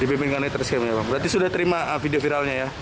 dibimbing kanit reskrim ya bang berarti sudah terima video viralnya ya